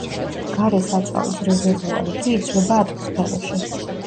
გარე საწვავის რეზერვუარი კი იწვება ატმოსფეროში.